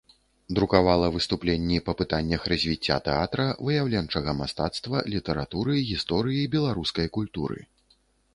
Друкавала выступленні па пытаннях развіцця тэатра, выяўленчага мастацтва, літаратуры, гісторыі беларускай культуры.